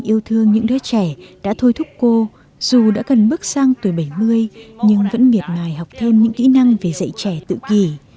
tôi yêu thương những đứa trẻ đã thôi thúc cô dù đã cần bước sang tuổi bảy mươi nhưng vẫn miệt mài học thêm những kỹ năng về dạy trẻ tự kỷ